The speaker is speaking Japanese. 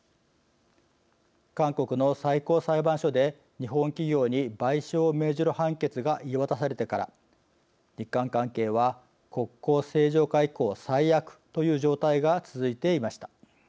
韓国の最高裁判所で日本企業に賠償を命じる判決が言い渡されてから、日韓関係は国交正常化以降、最悪という状態が続いていました。